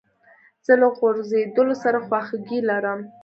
زه له ځورېدلو سره خواخوږي لرم.